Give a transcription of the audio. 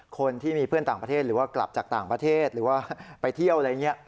คนที่มีเพื่อนต่างประเทศหรือว่ากลับจากต่างประเทศหรือว่าไปเที่ยวอะไรอย่างนี้